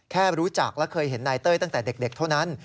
แค่รู้จักและเคยเห็นนายเต้ยตั้งแต่เด็กเท่านั้น